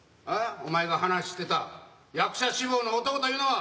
お前が話してた役者志望の男というのは。